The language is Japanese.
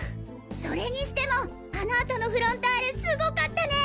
それにしてもあの後のフロンターレすごかったね。